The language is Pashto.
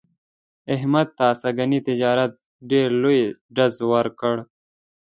احمد ته سږني تجارت ډېر لوی ډز ور کړ.